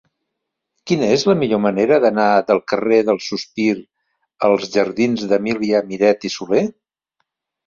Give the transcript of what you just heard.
Quina és la millor manera d'anar del carrer del Sospir als jardins d'Emília Miret i Soler?